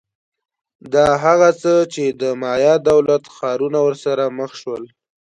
دا هغه څه چې د مایا دولت ښارونه ورسره مخ شول